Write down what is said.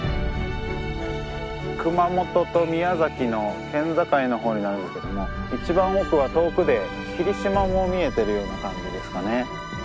熊本と宮崎の県境の方になるんですけども一番奥は遠くで霧島も見えてるような感じですかね。